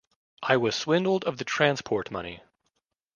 I was swindled of the transport money.